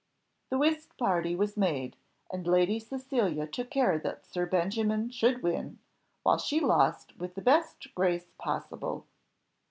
The whist party was made, and Lady Cecilia took care that Sir Benjamin should win, while she lost with the best grace possible.